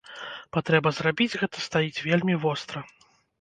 Патрэба зрабіць гэта стаіць вельмі востра.